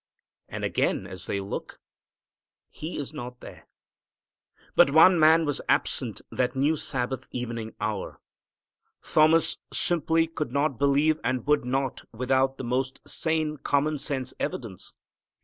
And again, as they look, He is not there. But one man was absent that new Sabbath evening hour. Thomas simply could not believe, and would not, without the most sane, common sense evidence.